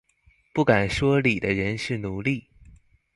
不敢說理的人是奴隸